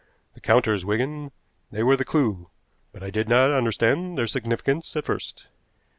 The counters, Wigan, they were the clew. But I did not understand their significance at first."